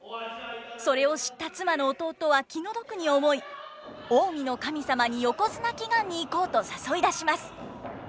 それを知った妻の弟は気の毒に思い近江の神様に横綱祈願に行こうと誘い出します。